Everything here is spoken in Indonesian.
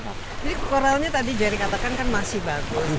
jadi koralnya tadi jadi katakan kan masih bagus